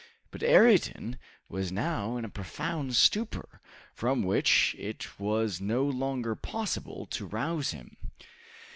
But Ayrton was now in a profound stupor, from which it was no longer possible to rouse him.